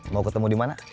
mau ketemu dimana